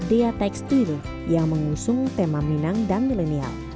dia tekstil yang mengusung tema minang dan milenial